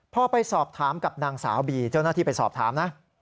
พอไปสอบถามกับนางสาวบีเจ้าหน้าที่ไปสอบถามนะ